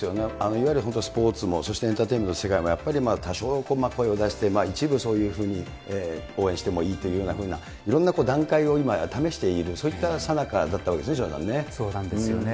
いわゆる本当、スポーツも、そしてエンターテイメントの世界も、多少声を出して、一部そういうふうに、応援してもいいというふうな、いろんな段階を今、試している、そういったさなかだそうなんですよね。